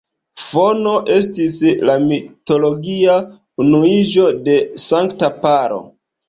Fono estis la mitologia unuiĝo de sankta paro.